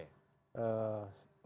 waktu itu pimpinannya